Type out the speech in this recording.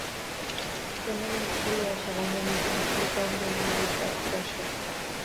Sehemu ya pili ya sherehe hizi ni kufikia umri unaoitwa Olghesher